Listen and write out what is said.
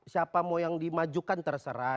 siapa mau yang dimajukan terserah